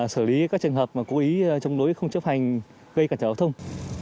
xử lý các trường hợp mà cố ý chống đối không chấp hành gây cản trở giao thông